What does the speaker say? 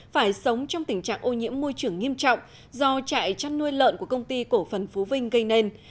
phải sống trong tình trạng ô nhiễm môi trường nghiêm trọng do trại chăn nuôi lợn của công ty cổ phần phú vinh gây nên